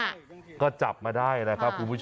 แบบนี้คือแบบนี้คือแบบนี้คือแบบนี้คือ